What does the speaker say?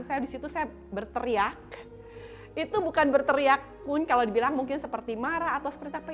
saya disitu saya berteriak itu bukan berteriak pun kalau dibilang mungkin seperti marah atau seperti apa